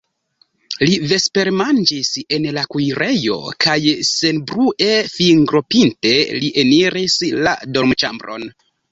Li vespermanĝis en la kuirejo kaj senbrue, fingropinte li eniris la dormĉambron.